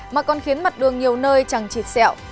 mà còn khiến mặt đường nhiều nơi chẳng chịt sẹo